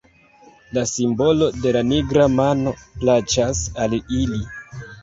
La simbolo de la nigra mano plaĉas al ili.